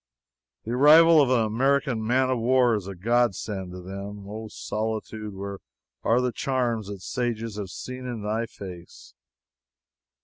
The arrival of an American man of war is a godsend to them. "O Solitude, where are the charms which sages have seen in thy face?"